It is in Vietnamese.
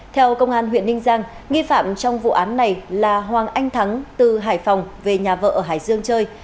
theo công an huyện ninh giang nghi phạm trong vụ án này là hoàng anh thắng từ hải phòng về nhà vợ ở hải dương chơi